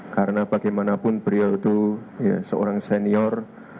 karena bagaimanapun beliau itu seorang senior